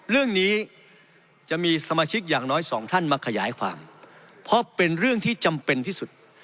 เรื่องนี้จะมีสมาชิกอย่างน้อยสองท่านมาขยายความเพราะเป็นเรื่องที่จำเป็นที่สุด